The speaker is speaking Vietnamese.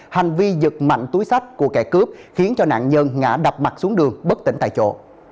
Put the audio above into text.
hành vi giật mạnh túi sách của kẻ cướp khiến cho nạn nhân ngã đập mặt xuống đường bất tỉnh tại chỗ